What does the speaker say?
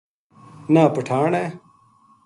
نہ پٹھان ہے